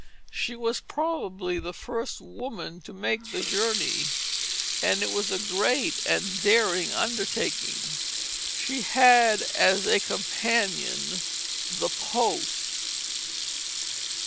She was probably the first woman to make the journey, and it was a great and daring undertaking. She had as a companion the "post."